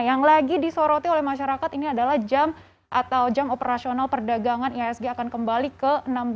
yang lagi disoroti oleh masyarakat ini adalah jam atau jam operasional perdagangan ihsg akan kembali ke enam belas